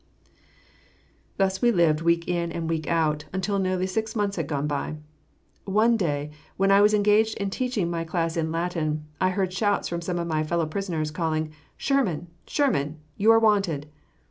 Thus we lived week in and week out, until nearly six months had gone by. One day, when I was engaged in teaching my class in Latin, I heard shouts from some of my fellow prisoners, calling, "Shearman! Shearman! You are wanted!"